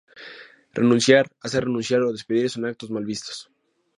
Renunciar, hacer renunciar, o despedir son actos mal vistos.